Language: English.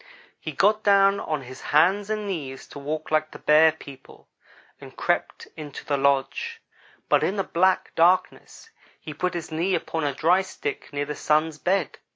"He got down on his hands and knees to walk like the Bear people and crept into the lodge, but in the black darkness he put his knee upon a dry stick near the Sun's bed.